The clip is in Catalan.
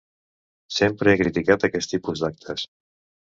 Sempre he criticat aquest tipus d'actes.